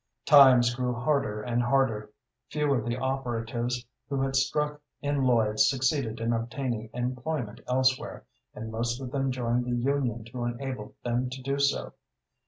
Times grew harder and harder. Few of the operatives who had struck in Lloyd's succeeded in obtaining employment elsewhere, and most of them joined the union to enable them to do so.